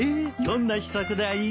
どんな秘策だい？